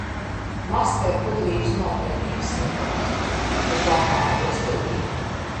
Maska ir gudrības un atbildības simbols. Turklāt, tā var būt stilīga.